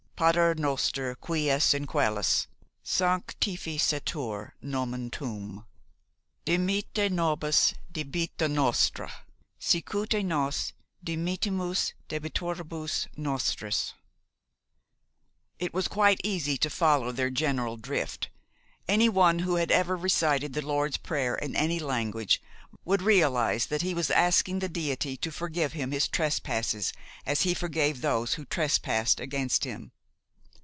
"_Pater noster qui es in coelis, sanctificetur nomen tuum ... dimitte nobis debita nostra sicut et nos dimittimus debitoribus nostris...._" It was quite easy to follow their general drift. Anyone who had ever recited the Lord's Prayer in any language would realize that he was asking the Deity to forgive him his trespasses as he forgave those who trespassed against him.